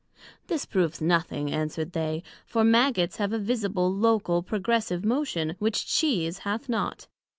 This proves nothing, answered they; for Maggots have a visible, local, progressive motion, which Cheese hath not.